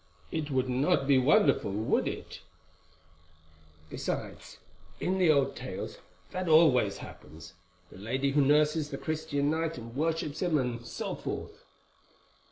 It would not be wonderful, would it? Besides, in the old tales, that always happens—the lady who nurses the Christian knight and worships him and so forth."